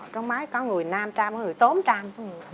tráng máy có người nam trang có người tốm trang